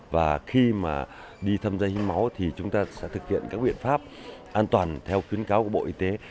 và khi mà đi tham gia hiến máu thì chúng ta sẽ thực hiện các biện pháp an toàn theo khuyến cáo của bộ y tế